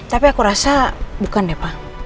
tapi aku rasa bukan deh pak